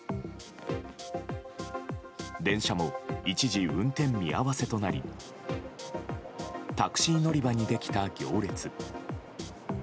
電車も一時運転見合わせとなりタクシー乗り場にできた行列。